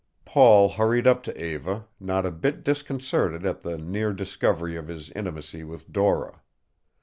Paul hurried up to Eva, not a bit disconcerted at the near discovery of his intimacy with Dora.